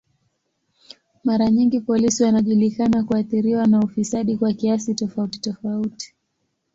Mara nyingi polisi wanajulikana kuathiriwa na ufisadi kwa kiasi tofauti tofauti.